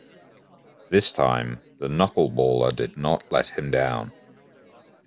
This time, the knuckleballer did not let him down.